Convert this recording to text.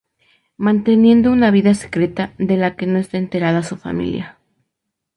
Manteniendo una vida secreta, de la que no está enterada su familia.